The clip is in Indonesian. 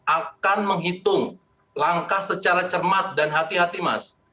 akan menghitung langkah secara cermat dan hati hati mas